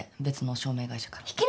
別の照明会社から。